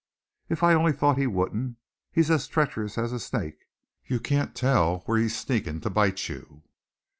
"If I only thought he wouldn't! He's as treacherous as a snake, you can't tell where he's sneaking to bite you.